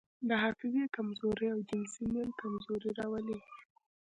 د حافظې کمزوري او جنسي میل کمزوري راولي.